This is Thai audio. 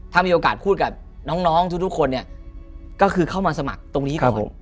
ถ้ามีโอกาสพูดกับน้องทุกคนเนี่ยก็คือเข้ามาสมัครตรงนี้ก่อน